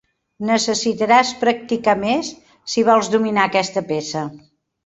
Necessitaràs practicar més si vols dominar aquesta peça.